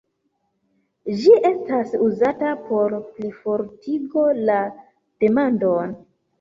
Ĝi estas uzata por plifortigo la demandon.